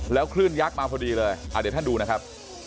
คลื่นยักษ์มาพอดีเลยเดี๋ยวท่านดูนะครับ